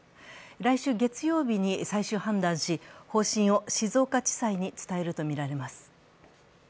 来週月曜日に最終判断し、方針を静岡地裁に伝えるとみられます。